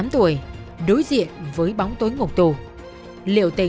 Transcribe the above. trẻ triều trẻ diệu